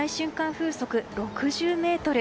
風速６０メートル。